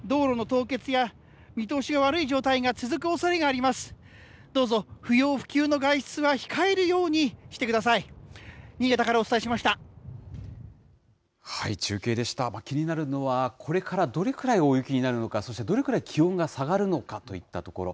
気になるのは、これからどれくらい大雪になるのか、そしてどれくらい気温が下がるのかといったところ。